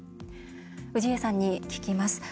氏家さんに聞きます。